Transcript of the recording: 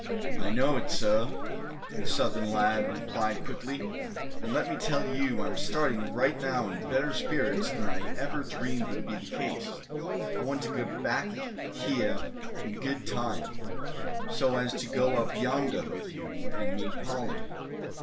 "I know it, suh," the Southern lad replied, quickly; "and let me tell you I'm starting right now in better spirits than I ever dreamed would be the case. I want to get back heah in good time, so as to go up yondah with you, and meet Polly."